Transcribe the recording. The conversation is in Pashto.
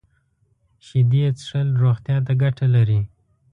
شیدې څښل روغتیا ته ګټه لري